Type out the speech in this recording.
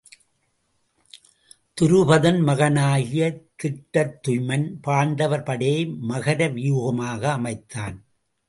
துருபதன் மகனாகிய திட்டத்துய்மன் பாண்டவர் படையை மகர வியூகமாக அமைத்தான்.